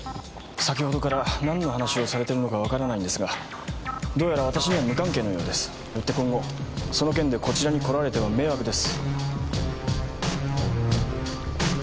先ほどから何の話をされてるのかわからないんですがどうやら私には無関係のようです。よって今後その件でこちらに来られては迷惑です。